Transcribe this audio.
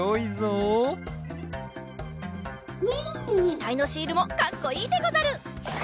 ひたいのシールもかっこいいでござる。